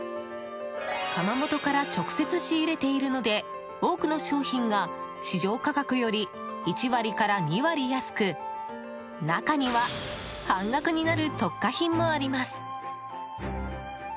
窯元から直接仕入れているので多くの商品が市場価格より１割から２割安く中には半額になる特価品もあります。